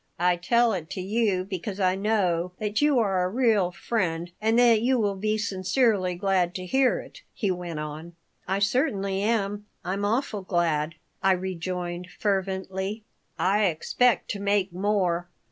"I tell it to you because I know that you are a real friend and that you will be sincerely glad to hear it," he went on "I certainly am. I'm awfully glad," I rejoined, fervently "I expect to make more.